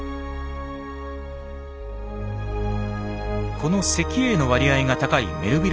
この石英の割合が高いメルヴィル